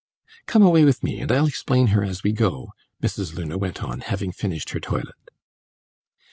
"Come away with me, and I'll explain her as we go," Mrs. Luna went on, having finished her toilet.